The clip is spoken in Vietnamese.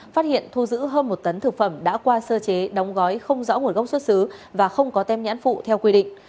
phát hiện thu giữ hơn một tấn thực phẩm đã qua sơ chế đóng gói không rõ nguồn gốc xuất xứ và không có tem nhãn phụ theo quy định